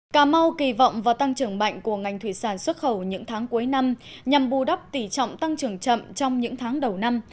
cà mau kỳ vọng vào tăng trưởng mạnh của ngành thủy sản xuất khẩu những tháng cuối năm nhằm bù đắp tỉ trọng tăng trưởng chậm trong những tháng đầu năm